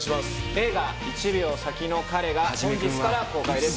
映画「１秒先の彼」が本日から公開です。